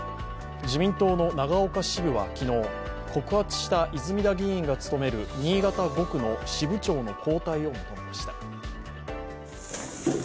自民党の長岡支部は昨日、告発した泉田議員が務める新潟５区の支部長の交代を求めました。